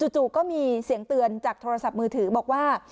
จู่ก็มีเสียงเตือนจากโทรศัพท์มือถือบอกว่า